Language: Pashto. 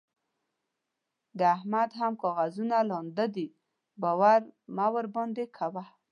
د احمد هم کاغذونه لانده دي؛ باور مه ورباندې کوه.